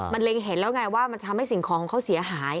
มันเล็งเห็นแล้วไงว่ามันจะทำให้สิ่งของของเขาเสียหาย